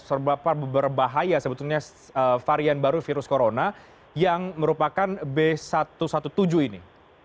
seberapa berbahaya sebetulnya varian baru virus corona yang merupakan b satu satu tujuh ini